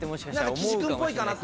岸君っぽいかなと。